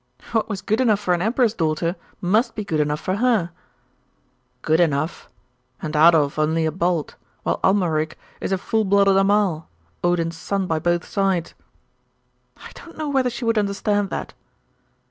'What was good enough for an emperor's daughter must be good enough for her.' 'Good enough? And Adolf only a Balt, while Amalric is a full blooded Amal Odin's son by both sides?' 'I don't know whether she would understand that.